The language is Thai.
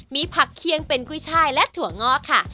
มีผักเคียงเป็นกุ้ยช่ายและถั่วงอกค่ะ